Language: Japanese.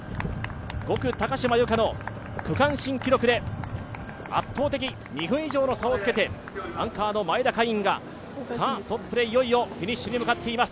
５区、高島由香の区間新記録で圧倒的、２分以上の差をつけてアンカーの前田海音がトップでフィニッシュに向かっています。